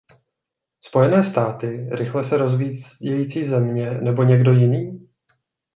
Spojené státy, rychle se rozvíjející země nebo někdo jiný?